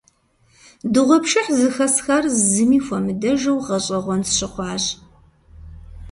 Дыгъуэпшыхь зэхэсхар зыми хуэмыдэжу гъэщӀэгъуэн сщыхъуащ.